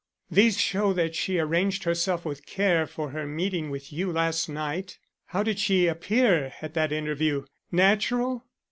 "These show that she arranged herself with care for her meeting with you last night. How did she appear at that interview? Natural?"